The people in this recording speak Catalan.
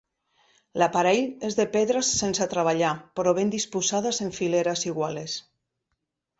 L'aparell és de pedres sense treballar però ben disposades en fileres iguales.